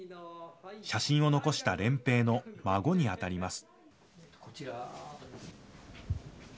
写真を残した漣平の孫に当たります。